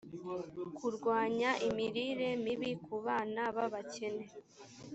kurwanya imirire mibi ku bana b abakene